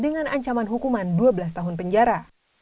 dengan ancaman hukuman dua belas tahun penjara